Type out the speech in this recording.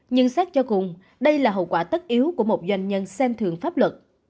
nhưng xét cho cùng đây là hậu quả tất yếu của một doanh nhân xem thường pháp luật